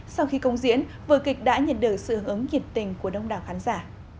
sau khi công diễn vừa kịch đã nhận được sự hướng nhiệt tình của đông đảo khán giả